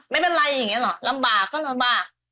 ไม่เป็นไรอย่างนี้หรอลำบากก็ลำบาก